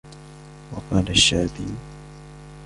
وَقَالَ الشَّعْبِيُّ